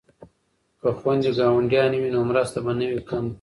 که خویندې ګاونډیانې وي نو مرسته به نه وي کمه.